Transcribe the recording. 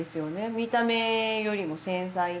見た目よりも繊細で。